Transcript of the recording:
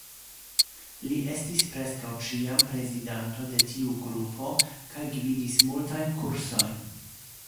Li estis preskaŭ ĉiam prezidanto de tiu grupo kaj gvidis multajn kursojn.